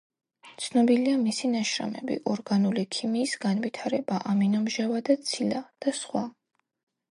ცნობილია მისი ნაშრომები: „ორგანული ქიმიის განვითარება“, „ამინომჟავა და ცილა“ და სხვა.